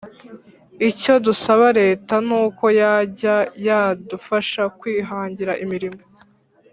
icyo dusaba reta nuko yajya yadufasha kwihangira imirimo